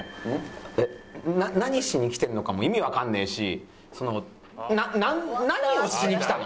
何しに来てるのかも意味わかんねえしその何をしに来たの？